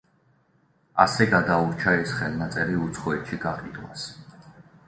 ასე გადაურჩა ეს ხელნაწერი უცხოეთში გაყიდვას.